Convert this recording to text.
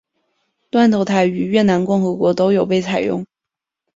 断头台于越南共和国都有被采用。